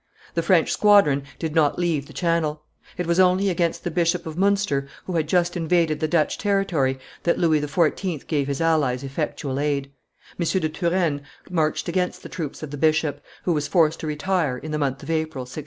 The French squadron did not leave the Channel. It was only against the Bishop of Munster, who had just invaded the Dutch territory, that Louis XIV. gave his allies effectual aid; M. de Turenne marched against the troops of the bishop, who was forced to retire, in the month of April, 1666.